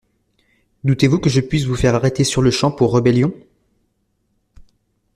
Doutez-vous que je puisse vous faire arrêter sur-le-champ pour rébellion?